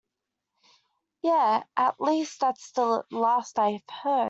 Yeah, at least that's the last I heard.